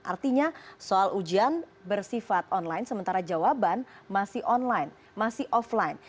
artinya soal ujian bersifat online sementara jawaban masih online masih offline